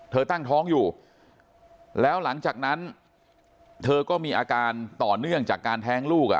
ตั้งท้องอยู่แล้วหลังจากนั้นเธอก็มีอาการต่อเนื่องจากการแท้งลูก